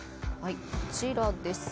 こちらです。